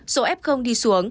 số ép không đi xuống